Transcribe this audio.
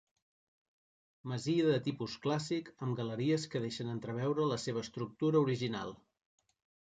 Masia de tipus clàssic amb galeries que deixen entreveure la seva estructura original.